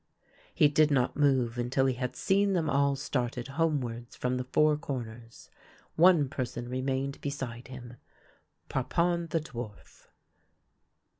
He did not move until he had seen them all started homewards from the Four Corners. One person re mained beside him — Parpon the dwarf.